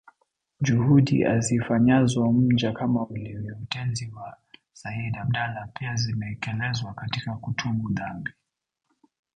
Juhudi azifanyazo mja kama ulivyo utenzi wa Sayyid Abdallah pia zimeelekezwa katika kutubu dhambi